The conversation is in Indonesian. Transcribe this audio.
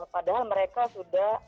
padahal mereka sudah dalam pengurusan